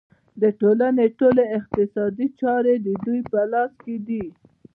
د ټولنې ټولې اقتصادي چارې د دوی په لاس کې دي